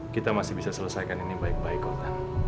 kita masih bisa selesaikan ini baik baik hutan